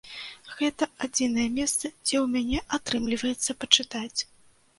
Гэта адзінае месца, дзе ў мяне атрымліваецца пачытаць.